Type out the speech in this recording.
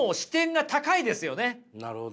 なるほど。